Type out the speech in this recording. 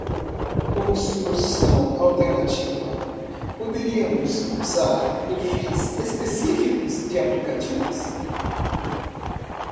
Como solução alternativa?, poderíamos usar perfis específicos de aplicativos.